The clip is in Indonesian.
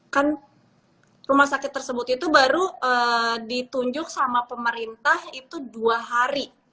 kan rumah sakit tersebut itu baru ditunjuk sama pemerintah itu dua hari